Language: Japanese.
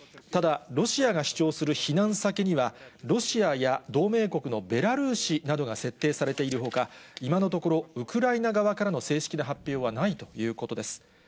ただ、ロシアが主張する避難先には、ロシアや同盟国のベラルーシなどが設定されているほか、今のところ、ウクライナ側からの正式な発表はないということです。